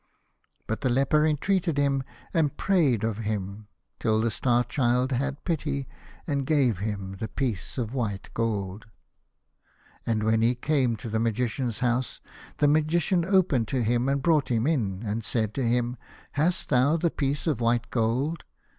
But the leper entreated him, and prayed of him, till the Star Child had pity, and gave him the piece of white gold. And when he came to the Magician's house, the Magician opened to him, and brought him in, and said to him, " Hast thou the piece of white gold